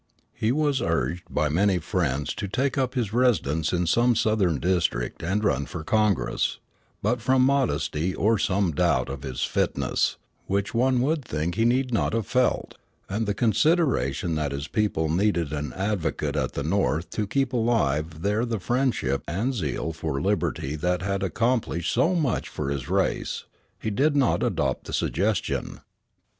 He was urged by many friends to take up his residence in some Southern district and run for Congress; but from modesty or some doubt of his fitness which one would think he need not have felt and the consideration that his people needed an advocate at the North to keep alive there the friendship and zeal for liberty that had accomplished so much for his race, he did not adopt the suggestion.